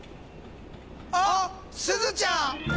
あっすずちゃん！